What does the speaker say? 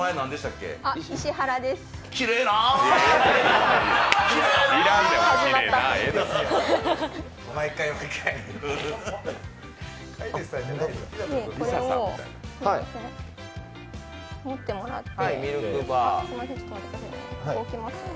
これを持ってもらって。